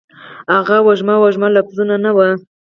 هغه وږمه، وږمه لفظونه ، نه وه